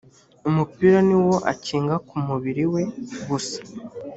umupira ni wo akinga ku mubiri we gusa